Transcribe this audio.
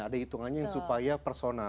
ada hitungannya supaya persona